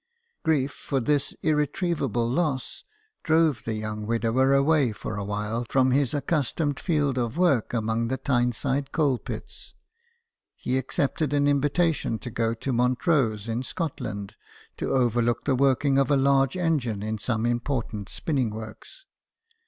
Grief for this irretrievable loss drove the young widower away for a while from his accustomed field of work among the Tyneside coal pits ; he accepted an invitation to go to Montrose in Scotland, to overlook the working of a large engine in some important spinning works.